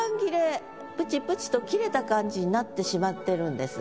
ぷちぷちと切れた感じになってしまってるんです。